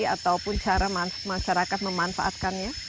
ataupun cara masyarakat memanfaatkannya